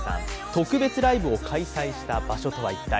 特別ライブを開催した場所とは一体？